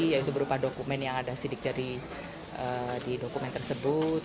yaitu berupa dokumen yang ada sidik jari di dokumen tersebut